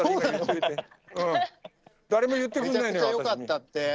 めちゃくちゃよかったって。